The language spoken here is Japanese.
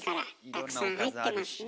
たくさん入ってますね。